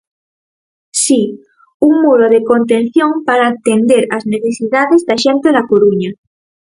Si, un muro de contención para atender as necesidades da xente da Coruña.